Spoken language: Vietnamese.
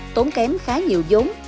tốn kém khá nhiều giống